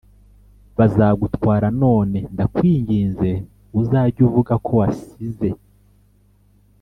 bazagutwara none ndakwinginze uzajye uvuga ko wasize